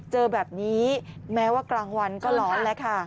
เจอแบบนี้แม้ว่ากลางวันก็ร้อนแล้วค่ะ